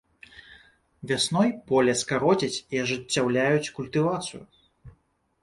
Вясной поле скародзяць і ажыццяўляюць культывацыю.